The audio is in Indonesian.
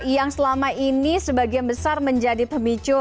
yang selama ini sebagian besar menjadi pemicu